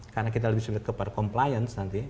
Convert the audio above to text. karena kita lebih sebelumnya kepada compliance nanti